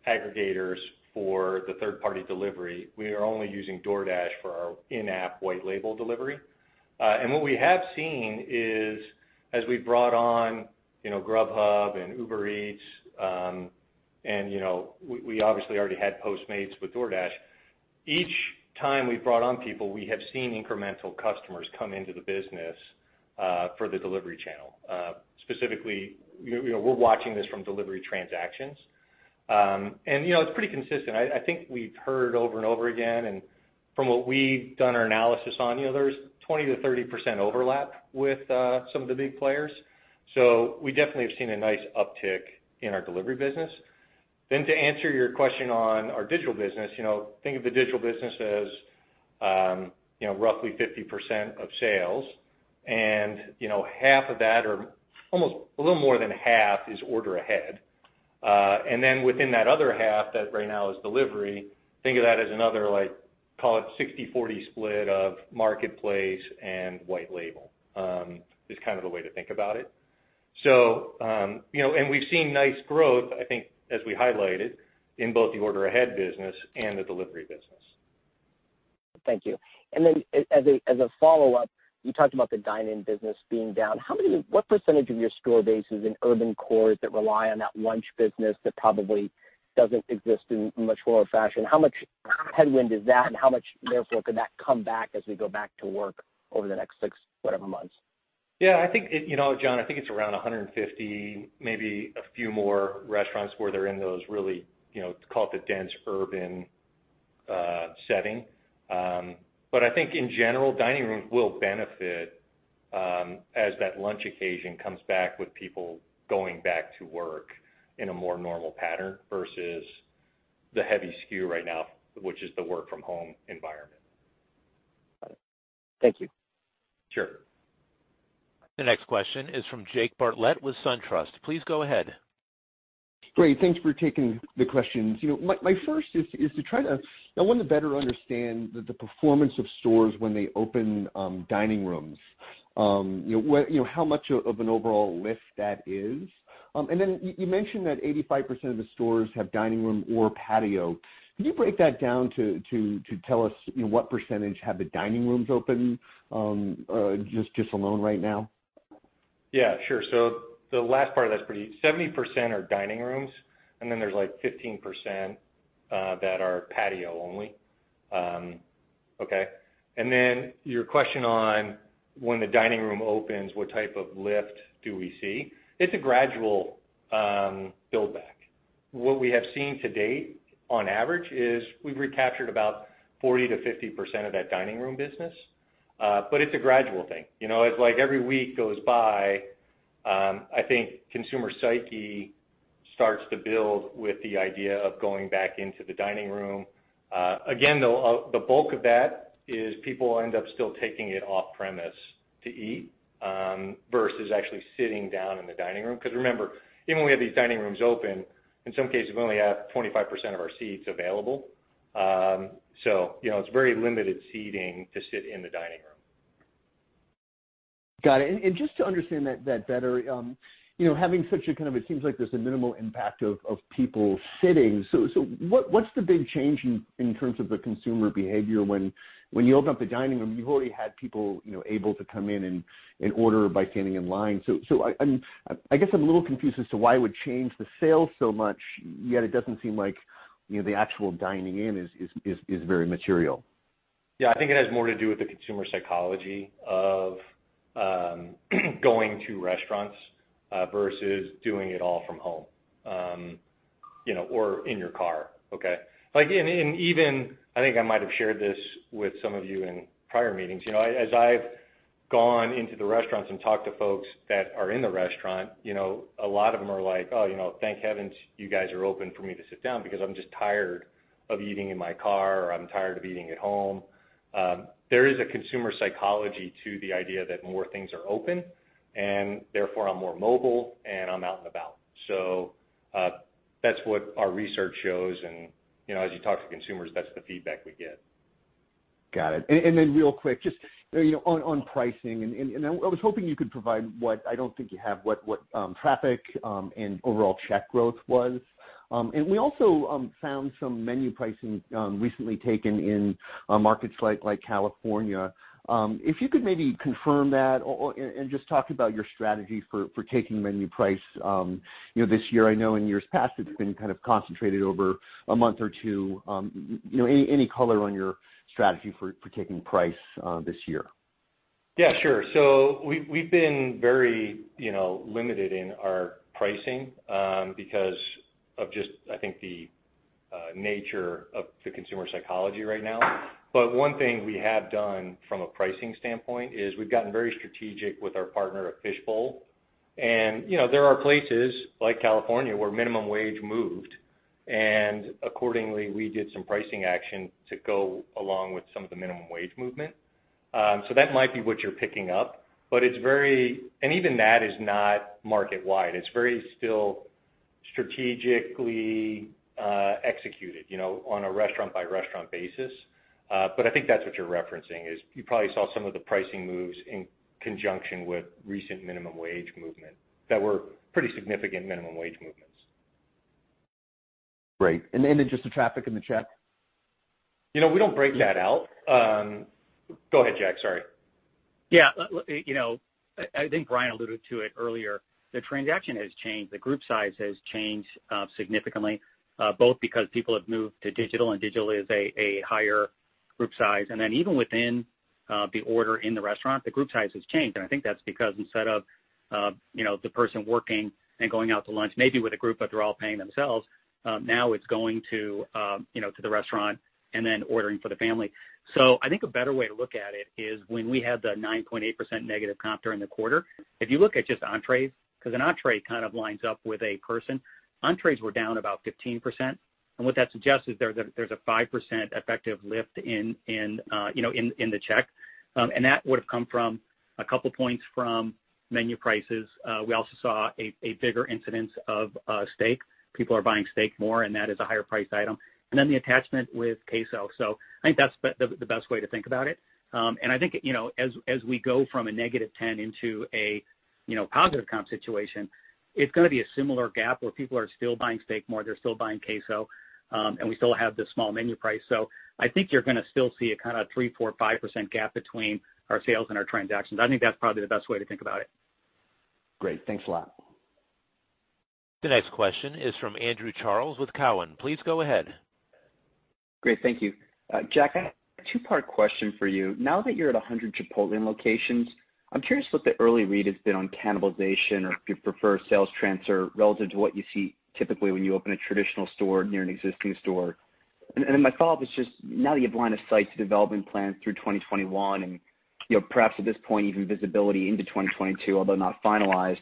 aggregators for the third-party delivery. We are only using DoorDash for our in-app white label delivery. What we have seen is as we brought on Grubhub and Uber Eats, we obviously already had Postmates with DoorDash. Each time we've brought on people, we have seen incremental customers come into the business, for the delivery channel. Specifically, we're watching this from delivery transactions. It's pretty consistent. I think we've heard over and over again, and from what we've done our analysis on, there's 20%-30% overlap with some of the big players. We definitely have seen a nice uptick in our delivery business. To answer your question on our digital business, think of the digital business as roughly 50% of sales and half of that, or almost a little more than half is order ahead. Within that other half, that right now is delivery, think of that as another, call it 60-40 split of marketplace and white label, is kind of the way to think about it. We've seen nice growth, I think as we highlighted, in both the order ahead business and the delivery business. Thank you. As a follow-up, you talked about the dine-in business being down. What percentage of your store base is in urban cores that rely on that lunch business that probably doesn't exist in much more fashion? How much headwind is that, and how much therefore could that come back as we go back to work over the next six whatever months? Yeah, John, I think it's around 150, maybe a few more restaurants where they're in those really, call it the dense urban setting. I think in general, dining rooms will benefit, as that lunch occasion comes back with people going back to work in a more normal pattern versus the heavy skew right now, which is the work from home environment. Got it. Thank you. Sure. The next question is from Jake Bartlett with Truist Securities. Please go ahead. Great. Thanks for taking the questions. My first is to try to, I want to better understand the performance of stores when they open dining rooms. How much of an overall lift that is? Then you mentioned that 85% of the stores have dining room or patio. Can you break that down to tell us what percentage have the dining rooms open, just alone right now? Yeah, sure. The last part of that is pretty easy. 70% are dining rooms, there's 15% that are patio only. Okay. Your question on when the dining room opens, what type of lift do we see? It's a gradual build back. What we have seen to date on average is we've recaptured about 40%-50% of that dining room business. It's a gradual thing. As like every week goes by, I think consumer psyche starts to build with the idea of going back into the dining room. Again, though, the bulk of that is people end up still taking it off premise to eat, versus actually sitting down in the dining room because remember, even when we have these dining rooms open, in some cases, we only have 25% of our seats available. It's very limited seating to sit in the dining room. Got it. Just to understand that better, having such a kind of, it seems like there's a minimal impact of people sitting. What's the big change in terms of the consumer behavior when you open up the dining room? You've already had people able to come in and order by standing in line. I guess I'm a little confused as to why it would change the sales so much, yet it doesn't seem like the actual dining in is very material. Yeah. I think it has more to do with the consumer psychology of going to restaurants, versus doing it all from home, or in your car. Okay? Even, I think I might have shared this with some of you in prior meetings. As I've gone into the restaurants and talked to folks that are in the restaurant, a lot of them are like, "Oh, thank heavens you guys are open for me to sit down because I'm just tired of eating in my car," or, "I'm tired of eating at home." There is a consumer psychology to the idea that more things are open, and therefore I'm more mobile and I'm out and about. That's what our research shows, and as you talk to consumers, that's the feedback we get. Got it. Then real quick, just on pricing, I was hoping you could provide what, I don't think you have, what traffic, and overall check growth was. We also found some menu pricing recently taken in markets like California. If you could maybe confirm that and just talk about your strategy for taking menu price this year. I know in years past it's been kind of concentrated over a month or two. Any color on your strategy for taking price this year? Yeah, sure. We've been very limited in our pricing, because of just, I think the nature of the consumer psychology right now. One thing we have done from a pricing standpoint is we've gotten very strategic with our partner at Fishbowl. There are places like California where minimum wage moved, and accordingly, we did some pricing action to go along with some of the minimum wage movement. That might be what you're picking up. Even that is not market-wide. It's very still strategically executed on a restaurant-by-restaurant basis. I think that's what you're referencing is you probably saw some of the pricing moves in conjunction with recent minimum wage movement that were pretty significant minimum wage movements. Great. Then just the traffic in the check? We don't break that out. Go ahead, Jack. Sorry. Yeah. I think Brian alluded to it earlier. The transaction has changed. The group size has changed significantly, both because people have moved to digital, and digital is a higher group size. Even within the order in the restaurant, the group size has changed. I think that's because instead of the person working and going out to lunch, maybe with a group, but they're all paying themselves, now it's going to the restaurant and then ordering for the family. I think a better way to look at it is when we had the 9.8% negative comp during the quarter, if you look at just entrees, because an entree kind of lines up with a person, entrees were down about 15%. What that suggests is there's a 5% effective lift in the check. That would have come from a couple points from menu prices. We also saw a bigger incidence of steak. People are buying steak more, that is a higher price item. The attachment with Queso. I think that's the best way to think about it. I think, as we go from a negative 10 into a positive comp situation, it's going to be a similar gap where people are still buying steak more, they're still buying Queso, and we still have the small menu price. I think you're going to still see a kind of 3, 4, 5% gap between our sales and our transactions. I think that's probably the best way to think about it. Great. Thanks a lot. The next question is from Andrew Charles with Cowen. Please go ahead. Great. Thank you. Jack, I have a two-part question for you. Now that you're at 100 Chipotlane locations, I'm curious what the early read has been on cannibalization, or if you prefer, sales transfer relative to what you see typically when you open a traditional store near an existing store. Then my follow-up is just now that you have line of sight to development plans through 2021, and perhaps at this point, even visibility into 2022, although not finalized,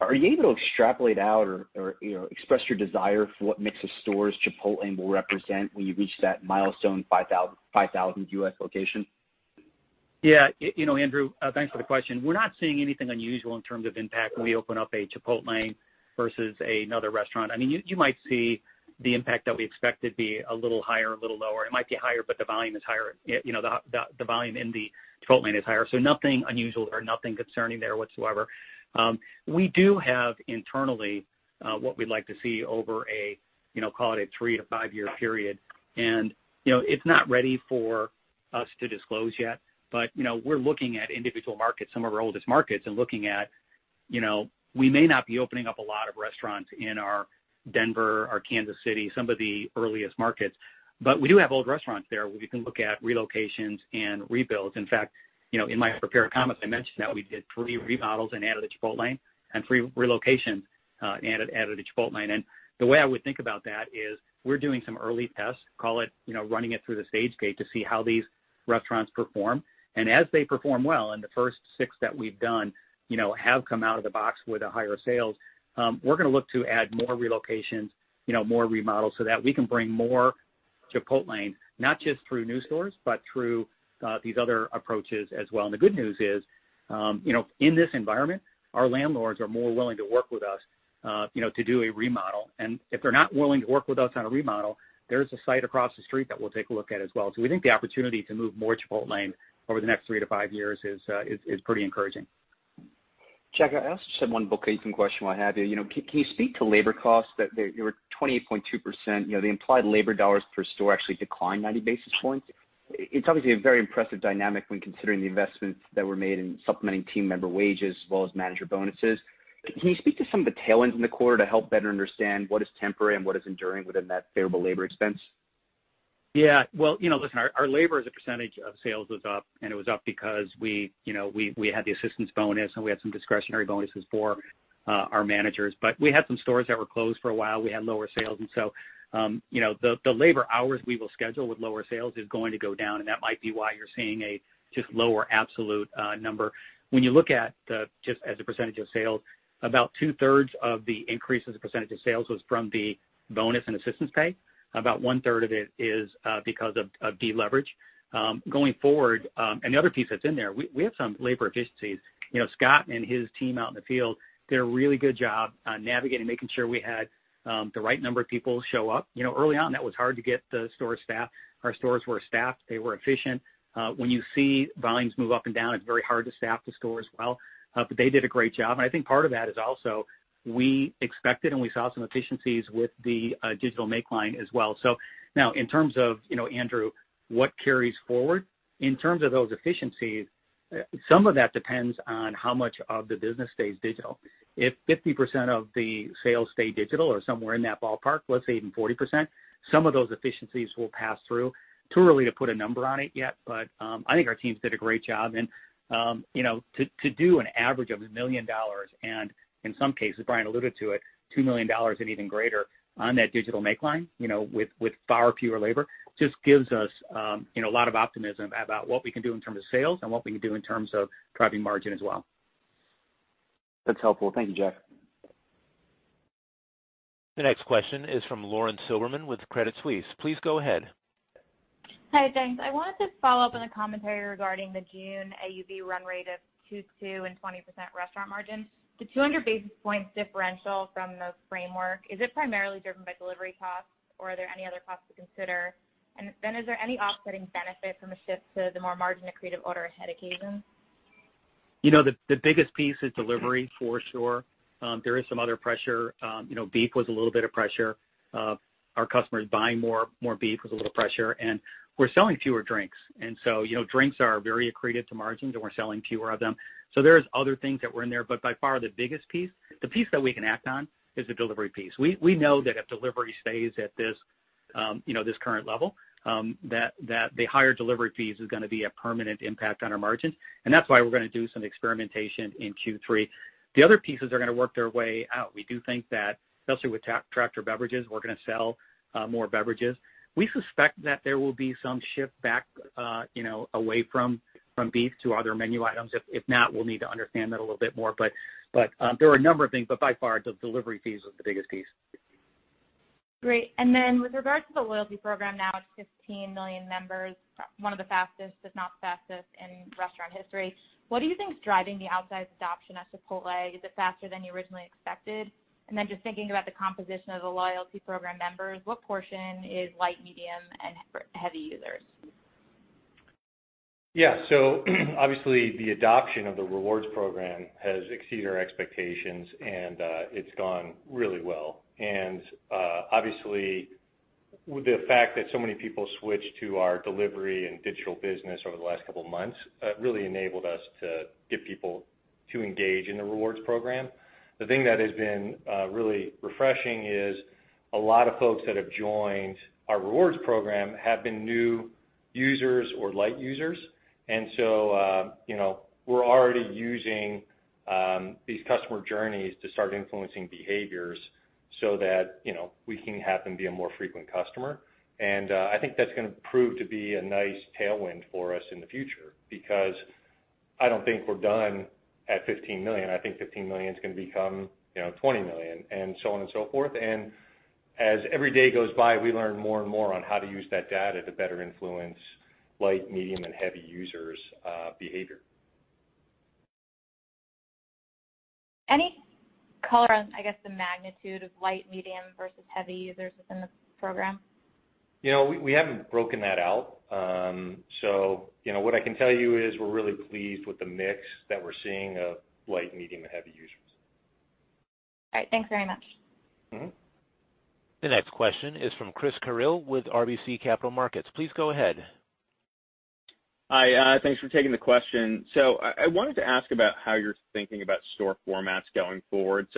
are you able to extrapolate out or express your desire for what mix of stores Chipotlane will represent when you reach that milestone 5,000 U.S. location? Andrew, thanks for the question. We're not seeing anything unusual in terms of impact when we open up a Chipotlane versus another restaurant. You might see the impact that we expect to be a little higher, a little lower. It might be higher, but the volume in the Chipotlane is higher. Nothing unusual or nothing concerning there whatsoever. We do have internally what we'd like to see over a, call it a 3- to 5-year period, and it's not ready for us to disclose yet, but we're looking at individual markets, some of our oldest markets, and looking at we may not be opening up a lot of restaurants in our Denver, our Kansas City, some of the earliest markets, but we do have old restaurants there where we can look at relocations and rebuilds. In fact, in my prepared comments, I mentioned that we did three remodels and added a Chipotlane and three relocations added a Chipotlane. The way I would think about that is we're doing some early tests, call it running it through the stage-gate to see how these restaurants perform. As they perform well, and the first six that we've done have come out of the box with higher sales, we're going to look to add more relocations, more remodels so that we can bring more Chipotlane, not just through new stores, but through these other approaches as well. The good news is, in this environment, our landlords are more willing to work with us to do a remodel. If they're not willing to work with us on a remodel, there is a site across the street that we'll take a look at as well. We think the opportunity to move more Chipotlane over the next three to five years is pretty encouraging. Jack, can I ask just one bookkeeping question while I have you? Can you speak to labor costs that you were 28.2%? The implied labor dollars per store actually declined 90 basis points. It's obviously a very impressive dynamic when considering the investments that were made in supplementing team member wages as well as manager bonuses. Can you speak to some of the tailwinds in the quarter to help better understand what is temporary and what is enduring within that favorable labor expense? Yeah. Well, listen, our labor as a percentage of sales was up. It was up because we had the assistance bonus. We had some discretionary bonuses for our managers. We had some stores that were closed for a while. We had lower sales. The labor hours we will schedule with lower sales is going to go down. That might be why you're seeing a just lower absolute number. When you look at just as a percentage of sales, about two-thirds of the increase as a percentage of sales was from the bonus and assistance pay. About one-third of it is because of deleverage. The other piece that's in there, we have some labor efficiencies. Scott and his team out in the field did a really good job navigating, making sure we had the right number of people show up. Early on, that was hard to get the store staffed. Our stores were staffed. They were efficient. When you see volumes move up and down, it's very hard to staff the store as well. They did a great job, and I think part of that is also we expected and we saw some efficiencies with the digital make line as well. Now in terms of, Andrew, what carries forward? In terms of those efficiencies. Some of that depends on how much of the business stays digital. If 50% of the sales stay digital or somewhere in that ballpark, let's say even 40%, some of those efficiencies will pass through. Too early to put a number on it yet, I think our teams did a great job. To do an average of $1 million, and in some cases, Brian alluded to it, $2 million and even greater on that digital make line with far fewer labor, just gives us a lot of optimism about what we can do in terms of sales and what we can do in terms of driving margin as well. That's helpful. Thank you, Jack. The next question is from Lauren Silberman with Credit Suisse. Please go ahead. Hi. Thanks. I wanted to follow up on the commentary regarding the June AUV run rate of two two and 20% restaurant margin. The 200 basis points differential from the framework, is it primarily driven by delivery costs or are there any other costs to consider? Is there any offsetting benefit from a shift to the more margin accretive order ahead occasion? The biggest piece is delivery for sure. There is some other pressure. Beef was a little bit of pressure. Our customers buying more beef was a little pressure, and we're selling fewer drinks. Drinks are very accretive to margins, and we're selling fewer of them. There's other things that were in there. By far the biggest piece, the piece that we can act on is the delivery piece. We know that if delivery stays at this current level, that the higher delivery fees is going to be a permanent impact on our margins, and that's why we're going to do some experimentation in Q3. The other pieces are going to work their way out. We do think that especially with Tractor Beverages, we're going to sell more beverages. We suspect that there will be some shift back away from beef to other menu items. If not, we'll need to understand that a little bit more. There are a number of things, but by far, the delivery fees was the biggest piece. Great. With regard to the loyalty program, now at 15 million members, one of the fastest, if not fastest, in restaurant history, what do you think is driving the outsized adoption at Chipotle? Is it faster than you originally expected? Just thinking about the composition of the loyalty program members, what portion is light, medium, and heavy users? Obviously the adoption of the rewards program has exceeded our expectations, and it's gone really well. Obviously, with the fact that so many people switched to our delivery and digital business over the last couple of months, really enabled us to get people to engage in the rewards program. The thing that has been really refreshing is a lot of folks that have joined our rewards program have been new users or light users. We're already using these customer journeys to start influencing behaviors so that we can have them be a more frequent customer. I think that's going to prove to be a nice tailwind for us in the future, because I don't think we're done at 15 million. I think 15 million is going to become 20 million, and so on and so forth. As every day goes by, we learn more and more on how to use that data to better influence light, medium, and heavy users' behavior. Any color on, I guess, the magnitude of light, medium, versus heavy users within the program? We haven't broken that out. What I can tell you is we're really pleased with the mix that we're seeing of light, medium, and heavy users. All right. Thanks very much. The next question is from Christopher Carril with RBC Capital Markets. Please go ahead. Hi. Thanks for taking the question. I wanted to ask about how you're thinking about store formats going forward.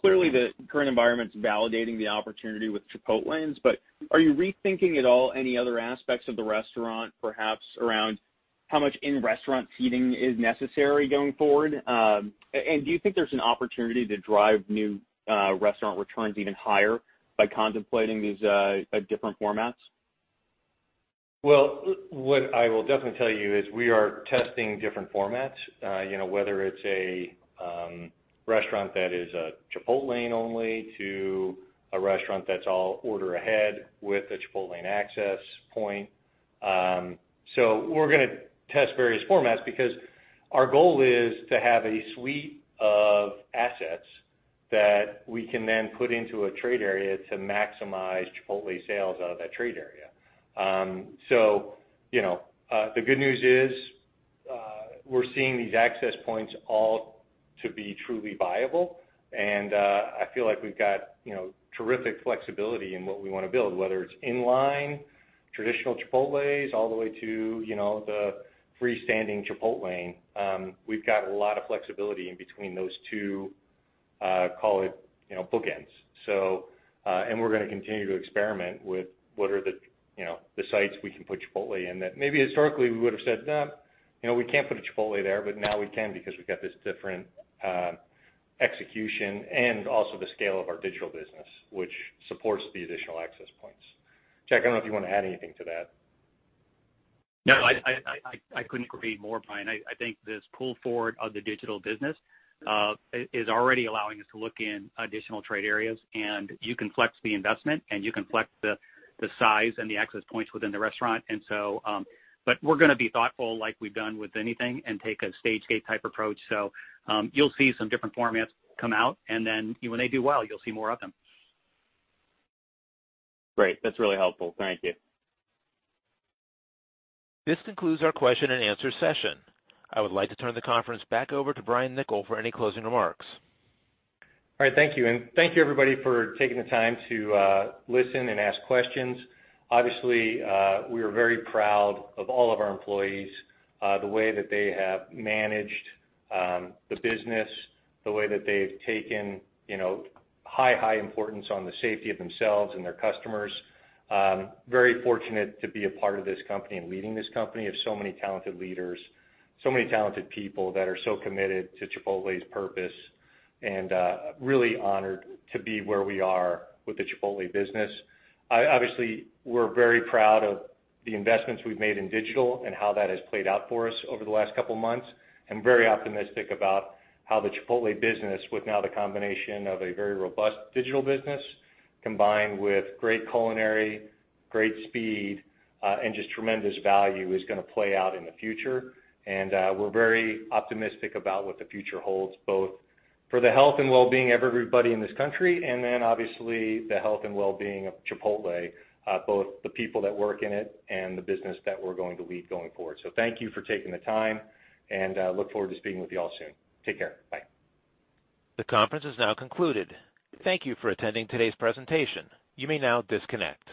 Clearly the current environment's validating the opportunity with Chipotlanes, but are you rethinking at all any other aspects of the restaurant, perhaps around how much in-restaurant seating is necessary going forward? Do you think there's an opportunity to drive new restaurant returns even higher by contemplating these different formats? Well, what I will definitely tell you is we are testing different formats. Whether it's a restaurant that is a Chipotlane only to a restaurant that's all order ahead with a Chipotlane access point. We're going to test various formats because our goal is to have a suite of assets that we can then put into a trade area to maximize Chipotle sales out of that trade area. The good news is, we're seeing these access points all to be truly viable, and I feel like we've got terrific flexibility in what we want to build, whether it's in-line, traditional Chipotles, all the way to the freestanding Chipotlane. We've got a lot of flexibility in between those two, call it, bookends. We're going to continue to experiment with what are the sites we can put Chipotle in that maybe historically we would've said, "No, we can't put a Chipotle there." Now we can because we've got this different execution and also the scale of our digital business, which supports the additional access points. Jack, I don't know if you want to add anything to that. No, I couldn't agree more, Brian. I think this pull forward of the digital business is already allowing us to look in additional trade areas, and you can flex the investment, and you can flex the size and the access points within the restaurant. We're going to be thoughtful like we've done with anything and take a stage-gate type approach. You'll see some different formats come out, and then when they do well, you'll see more of them. Great. That's really helpful. Thank you. This concludes our question and answer session. I would like to turn the conference back over to Brian Niccol for any closing remarks. All right. Thank you. Thank you everybody for taking the time to listen and ask questions. Obviously, we are very proud of all of our employees, the way that they have managed the business, the way that they've taken high importance on the safety of themselves and their customers. Very fortunate to be a part of this company and leading this company of so many talented leaders, so many talented people that are so committed to Chipotle's purpose. Really honored to be where we are with the Chipotle business. Obviously, we're very proud of the investments we've made in digital and how that has played out for us over the last couple of months, and very optimistic about how the Chipotle business, with now the combination of a very robust digital business, combined with great culinary, great speed, and just tremendous value, is going to play out in the future. We're very optimistic about what the future holds, both for the health and wellbeing of everybody in this country, and then obviously the health and wellbeing of Chipotle, both the people that work in it and the business that we're going to lead going forward. Thank you for taking the time, and look forward to speaking with you all soon. Take care. Bye. The conference is now concluded. Thank you for attending today's presentation. You may now disconnect.